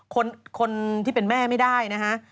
คนที่เป็นแม่ไม่ได้นะฮะ